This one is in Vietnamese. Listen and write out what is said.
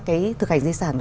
cái thực hành di sản